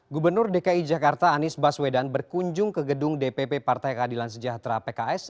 gubernur dki jakarta anies baswedan berkunjung ke gedung dpp partai keadilan sejahtera pks